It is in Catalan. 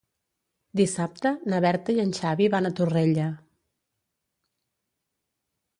Dissabte na Berta i en Xavi van a Torrella.